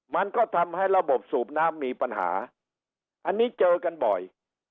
มันก็ทำให้ระบบสูบน้ำมีปัญหาอันนี้เจอกันบ่อย